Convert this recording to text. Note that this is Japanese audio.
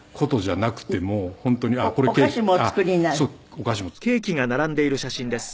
お菓子も作ります。